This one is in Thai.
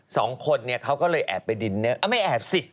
สองคนนี้เขาก็เลยอาบไปดินเน้อ